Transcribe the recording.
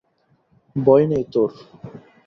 ভয় নেই তোর।